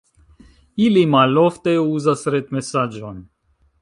Ili malofte uzas retmesaĝon.